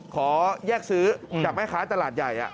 ขอแยกซื้อจากแม่ค้าตลาดใหญ่